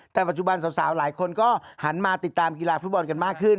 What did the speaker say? แต่ปัจจุบันสาวหลายคนก็หันมาติดตามกีฬาฟุตบอลกันมากขึ้น